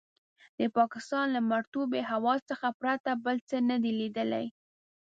د پاکستان له مرطوبې هوا څخه پرته بل څه نه دي لیدلي.